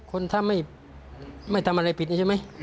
คนท่าไม่อ๋อไม่ทำอะไรปิดนี่ใช่ไหมอืม